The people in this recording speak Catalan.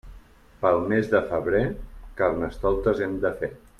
Pel mes de febrer, Carnestoltes hem de fer.